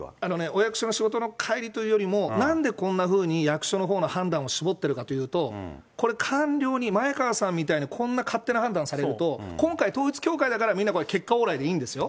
お役所の仕事のかい離というよりも、なんでこんなふうに役所のほうの判断を絞ってるかというと、これ、官僚に、前川さんみたいにこんな勝手な判断されると、今回、統一教会だからみんな、これ、結果オーライでいいんですよ。